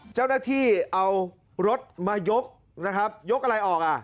เจ้าหน้าที่เอารถมายกนะครับยกอะไรออกอ่ะ